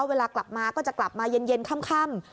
เวลากลับมาก็จะกลับมาเย็นค่ำ